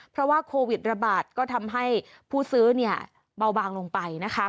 เพราะว่าโควิดระบาดก็ทำให้ผู้ซื้อเนี่ยเบาบางลงไปนะคะ